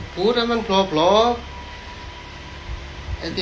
พูดให้มันพร้อมพร้อม